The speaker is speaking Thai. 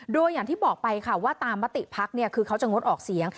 โดยอย่างที่บอกไปค่ะว่าตามมติภักดิ์คือเขาจะงดออกเสียง